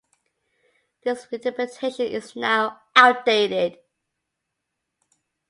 This interpretation is now outdated.